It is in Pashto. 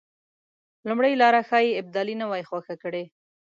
لومړۍ لاره ښایي ابدالي نه وای خوښه کړې.